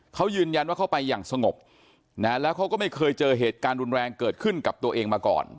เขายืนยันว่าเขาไปอย่างสงบนะแล้วเขาก็ไม่เคยเจอเหตุการณ์รุนแรงเกิดขึ้นกับตัวเองมาก่อน